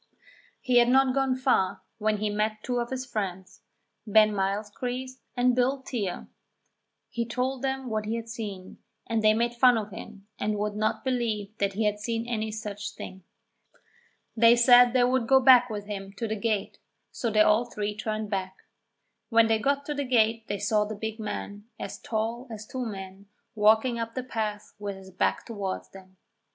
He had not gone far when he met two of his friends, Ben Mylechreest and Bill Teare. He told them what he had seen, and they made fun of him and would not believe that he had seen any such thing. They said they would go back with him to the gate, so they all three turned back. When they got to the gate they saw the big man, as tall as two men, walking up the path with his back towards them.